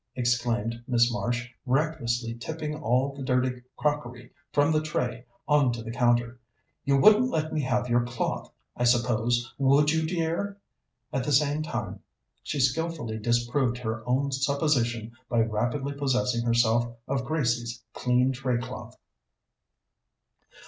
exclaimed Miss Marsh, recklessly tipping all the dirty crockery from the tray on to the counter. "You wouldn't let me have your cloth, I suppose, would you, dear?" At the same time she skilfully disproved her own supposition by rapidly possessing herself of Grace's clean tray cloth.